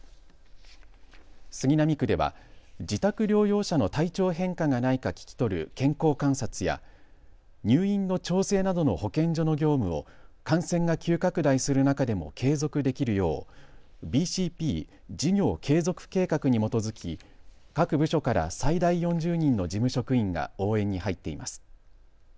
杉並区では自宅療養者の体調変化がないか聞き取る健康観察や入院の調整などの保健所の業務を感染が急拡大する中でも継続できるようＢＣＰ・事業継続計画に基づき各部署から最大４０人の事務職員が応援に入っています。